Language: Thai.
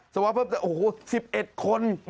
สวอปเพิ่มเติมโอ้โห๑๑คน